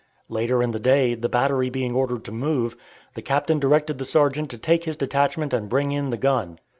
Later in the day the battery being ordered to move, the captain directed the sergeant to take his detachment and bring in the gun.